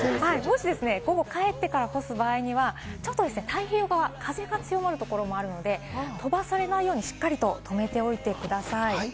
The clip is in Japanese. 今後、帰ってから干す場合は、太平洋側は風が強まる所もあるので、飛ばされないようにしっかり止めておいてください。